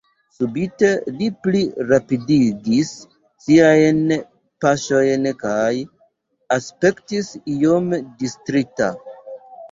Subite li pli rapidigis siajn paŝojn kaj aspektis iom distrita.